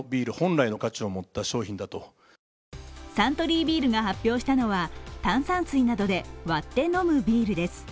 サントリービールが発表したのは炭酸水などで割って飲むビールです。